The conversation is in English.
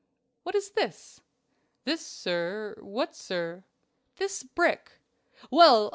"What is this?" "This, sir what, sir?" "This brick?" "Well!